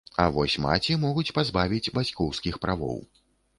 А вось маці могуць пазбавіць бацькоўскіх правоў.